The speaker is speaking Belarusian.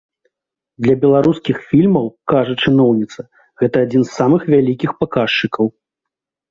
Для беларускіх фільмаў, кажа чыноўніца, гэта адзін з самых вялікіх паказчыкаў.